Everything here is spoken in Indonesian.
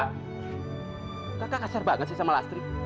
pak kakak kasar banget sih sama nasri